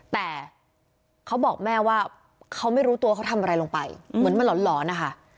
แต่เขาบอกแม่ว่าเขาไม่รู้ตัวเขาทำอะไรลงไปเหมือนมันหลอนนะคะ